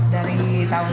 dari tahun dua ribu